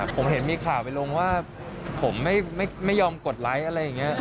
ผมเห็นมีข่าวไปลงว่าผมไม่ยอมกดไลค์อะไรอย่างนี้